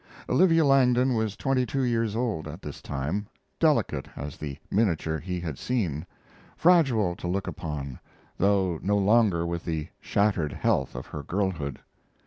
Olivia Langdon was twenty two years old at this time, delicate as the miniature he had seen, fragile to look upon, though no longer with the shattered health of her girlhood.